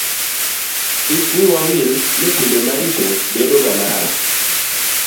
kik wiwa wil ni timbe maricho bedo ga marach